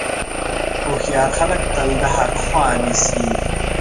هوښیار خلک تل د حق خوا نیسي.